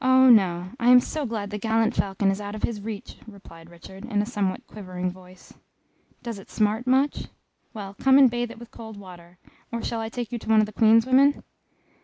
"Oh, no, I am so glad the gallant falcon is out of his reach!" replied Richard, in a somewhat quivering voice. "Does it smart much? Well, come and bathe it with cold water or shall I take you to one of the Queen's women?"